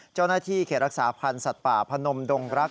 เจ้าหน้าที่เขตรักษาพันธ์สัตว์ป่าพนมดงรัก